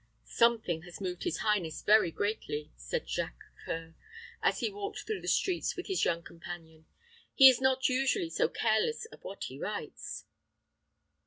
"Something has moved his highness very greatly," said Jacques C[oe]ur, as he walked through the streets with his young companion. "He is not usually so careless of what he writes."